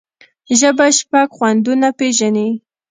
ژبه شپږ خوندونه پېژني.